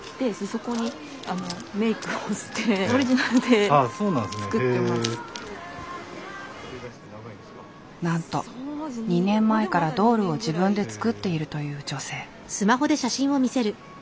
ＮＨＫなんですけどなんと２年前からドールを自分で作っているという女性。